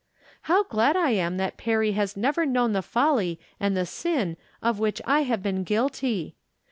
How glad I am that Perry has never known the folly imd the sin of which I have been guilty